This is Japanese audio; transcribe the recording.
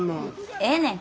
ええねん。